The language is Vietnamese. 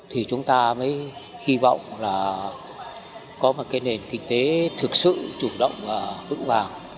thì chúng ta mới hy vọng là có một cái nền kinh tế thực sự chủ động và vững vàng